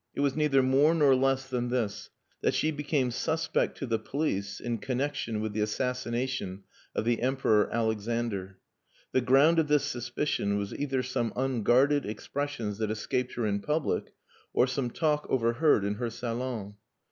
It was neither more nor less than this: that she became suspect to the police in connexion with the assassination of the Emperor Alexander. The ground of this suspicion was either some unguarded expressions that escaped her in public, or some talk overheard in her salon.